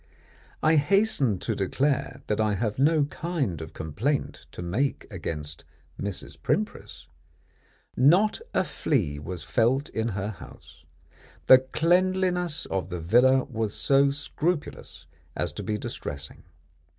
I hasten to declare that I have no kind of complaint to make against Mrs. Primpris. Not a flea was felt in her house. The cleanliness of the villa was so scrupulous as to be distressing.